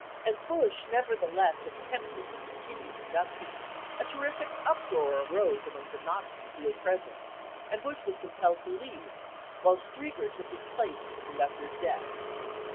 As Busch nevertheless attempted to continue conducting, a terrific uproar arose among the Nazis who were present, and Busch was compelled to leave, while Strieger took his place at the conductor's desk.